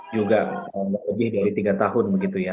juga lebih dari tiga tahun